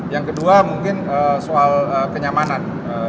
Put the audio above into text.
yang kedua mungkin soal kenyamanan